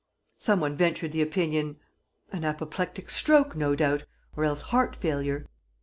Some one ventured the opinion: "An apoplectic stroke, no doubt ... or else heart failure."